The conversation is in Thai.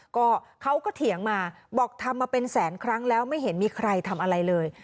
ก็เขาก็เถียงมาบอกทำมาเป็นแสนครั้งแล้วไม่เห็นมีใครทำอะไรเลย